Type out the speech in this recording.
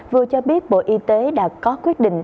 vừa cho biết bộ y tế đã có quyết định